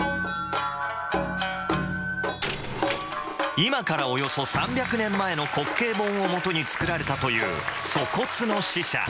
今からおよそ３００年前の滑稽本を元に作られたという「粗忽の使者」。